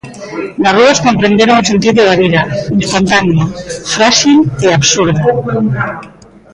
Nas rúas comprenderon o sentido da vida: instantánea, fráxil e absurda.